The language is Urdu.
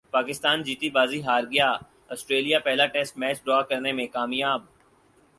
پاکستان جیتی بازی ہار گیا سٹریلیا پہلا ٹیسٹ میچ ڈرا کرنے میں کامیاب